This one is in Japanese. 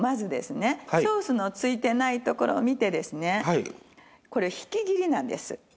ソースのついてないところを見てですねこれは引き切りなんです。